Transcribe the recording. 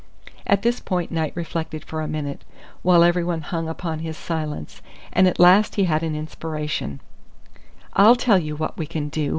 At this point Knight reflected for a minute, while everyone hung upon his silence; and at last he had an inspiration: "I'll tell you what we can do!"